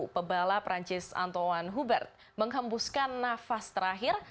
pebala perancis anton hubert menghembuskan nafas terakhir